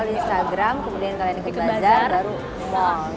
jadi awal instagram kemudian kalian ikut bazar baru mall